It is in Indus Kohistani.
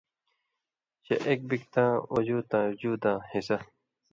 چے ایک بِگ ناں وجوتاں (وجوداں) حِصہ۔